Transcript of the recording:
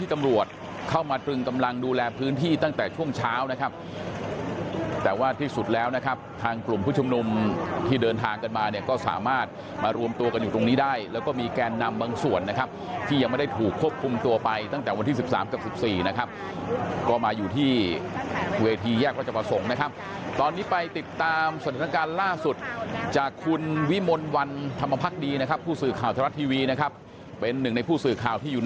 ที่เดินทางกันมาเนี่ยก็สามารถมารวมตัวกันอยู่ตรงนี้ได้แล้วก็มีแกนนำบางส่วนนะครับที่ยังไม่ได้ถูกควบคุมตัวไปตั้งแต่วันที่๑๓กับ๑๔นะครับก็มาอยู่ที่เวทีแยกราชประสงค์นะครับตอนนี้ไปติดตามสถานการณ์ล่าสุดจากคุณวิมนต์วันธรรมพักดีนะครับผู้สื่อข่าวทะลัดทีวีนะครับเป็นหนึ่งในผู้สื่อข่าว